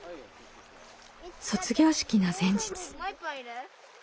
卒業式の前日。